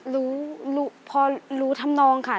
รู้พอรู้ทำนองค่ะ